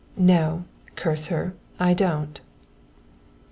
"No, curse her I don't."